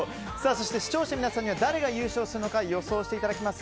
そして視聴者の皆さんには誰が優勝するのか予想していただきます。